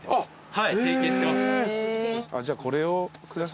はい。